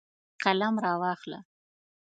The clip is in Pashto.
قلم راواخله.